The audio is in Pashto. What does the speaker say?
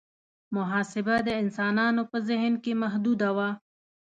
محاسبه د انسانانو په ذهن کې محدوده وه.